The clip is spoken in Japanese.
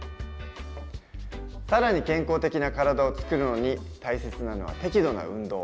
更に健康的な体をつくるのに大切なのは適度な運動。